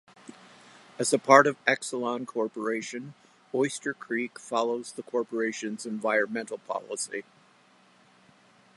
As a part of Exelon Corporation, Oyster Creek follows the corporation's environmental policy.